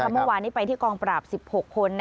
เมื่อวานนี้ไปที่กองปราบ๑๖คน